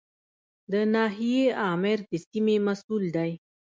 د ناحیې آمر د سیمې مسوول دی